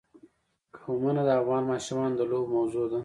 قومونه د افغان ماشومانو د لوبو موضوع ده.